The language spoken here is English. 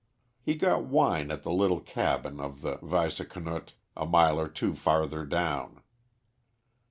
He got wine at the little cabin of the Weisse Knott, a mile or two farther down.